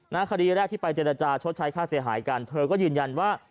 คดีแรกที่ไปเจรจาชดใช้ค่าเสียหายกันเธอก็ยืนยันว่า